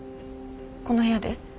この部屋で。